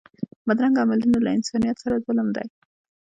بدرنګه عملونه له انسانیت سره ظلم دی